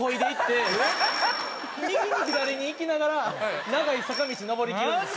右に左に行きながら長い坂道上りきるんですよ。